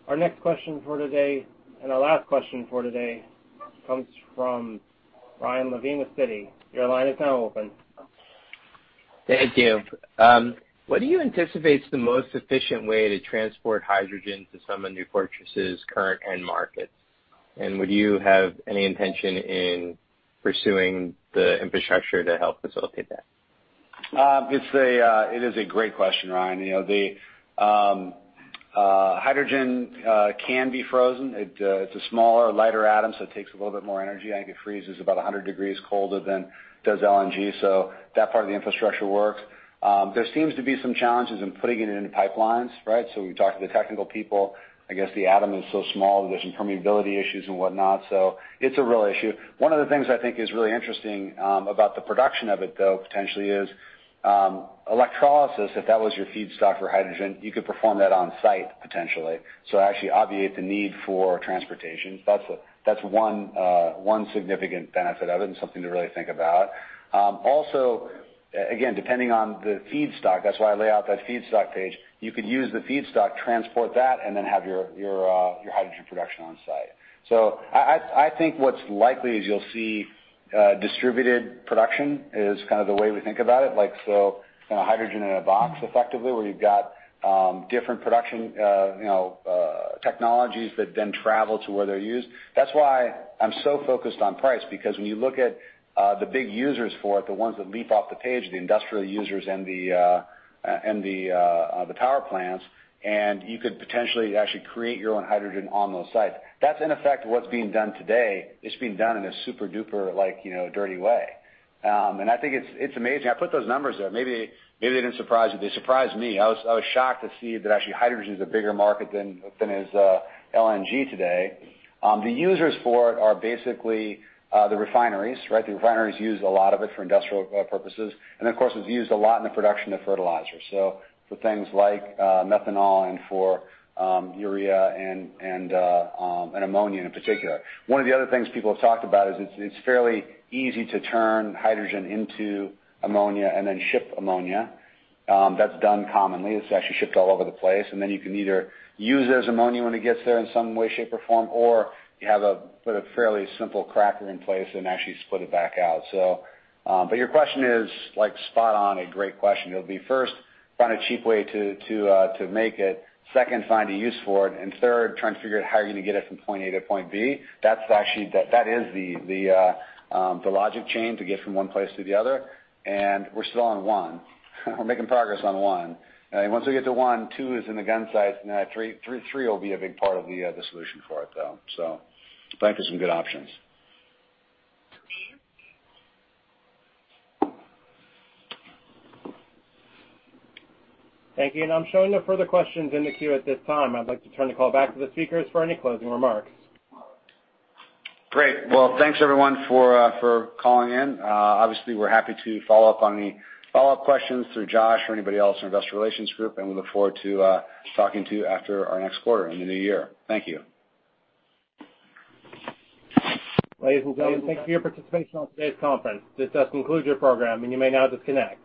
Our next question for today and our last question for today comes from Ryan Levine with Citi. Your line is now open. Thank you. What do you anticipate is the most efficient way to transport hydrogen to some of New Fortress's current end markets? And would you have any intention in pursuing the infrastructure to help facilitate that? It is a great question, Ryan. Hydrogen can be frozen. It's a smaller, lighter atom, so it takes a little bit more energy. I think it freezes about 100 degrees colder than does LNG. So that part of the infrastructure works. There seems to be some challenges in putting it into pipelines, right? So we've talked to the technical people. I guess the atom is so small that there's some permeability issues and whatnot. So it's a real issue. One of the things I think is really interesting about the production of it, though, potentially, is electrolysis, if that was your feedstock for hydrogen, you could perform that on-site, potentially, so actually obviate the need for transportation. That's one significant benefit of it and something to really think about. Also, again, depending on the feedstock, that's why I lay out that feedstock page. You could use the feedstock, transport that, and then have your hydrogen production on-site. So I think what's likely is you'll see distributed production is kind of the way we think about it. So hydrogen in a box, effectively, where you've got different production technologies that then travel to where they're used. That's why I'm so focused on price because when you look at the big users for it, the ones that leap off the page, the industrial users and the power plants, and you could potentially actually create your own hydrogen on those sites. That's, in effect, what's being done today. It's being done in a super-duper dirty way. And I think it's amazing. I put those numbers there. Maybe they didn't surprise you. They surprised me. I was shocked to see that actually hydrogen is a bigger market than is LNG today. The users for it are basically the refineries, right? The refineries use a lot of it for industrial purposes. And then, of course, it's used a lot in the production of fertilizers, so for things like methanol and for urea and ammonia in particular. One of the other things people have talked about is it's fairly easy to turn hydrogen into ammonia and then ship ammonia. That's done commonly. It's actually shipped all over the place. And then you can either use it as ammonia when it gets there in some way, shape, or form, or you have to put a fairly simple cracker in place and actually split it back out. But your question is spot on, a great question. It'll be first, find a cheap way to make it. Second, find a use for it. And third, try and figure out how you're going to get it from point A to point B. That is the logic chain to get from one place to the other. And we're still on one. We're making progress on one. Once we get to one, two is in the gun sights. Three will be a big part of the solution for it, though. Thank you for some good options. Thank you. I'm showing no further questions in the queue at this time. I'd like to turn the call back to the speakers for any closing remarks. Great. Thanks, everyone, for calling in. Obviously, we're happy to follow up on any follow-up questions through Josh or anybody else in our Investor Relations Group. We look forward to talking to you after our next quarter in the new year. Thank you. You've been thanked for your participation on today's conference. This does conclude your program. You may now disconnect.